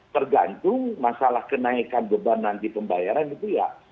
tergantung masalah kenaikan beban nanti pembayaran itu ya